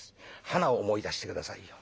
はなを思い出して下さいよ。